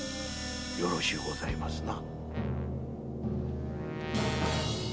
よろしゅうございますな？